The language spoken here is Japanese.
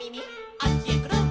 「あっちへくるん」